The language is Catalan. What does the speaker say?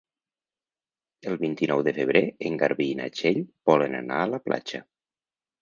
El vint-i-nou de febrer en Garbí i na Txell volen anar a la platja.